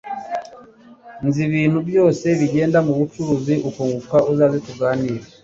Nzi ibintu byose bigenda mubucuruzi ukunguka uzaze tuganire